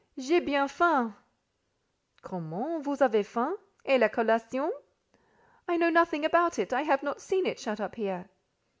"J'ai bien faim." "Comment, vous avez faim! Et la collation?" "I know nothing about it. I have not seen it, shut up here."